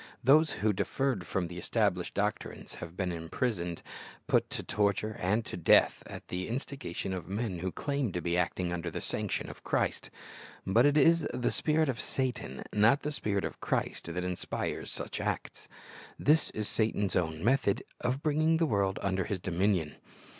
Those who differed from the estabhshed doctrines have been imprisoned, put to torture and to death, at the instigation af men who claimed to be acting under the sanction of Christ. But it is the spirit of Satan, not the Spirit of Christ, that inspires such acts. Tliis is Satan's own method of bringing the world under his dominion.